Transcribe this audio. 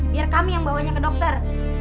biar kami yang bawanya ke dokter